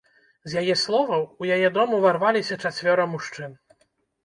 З яе словаў, у яе дом уварваліся чацвёра мужчын.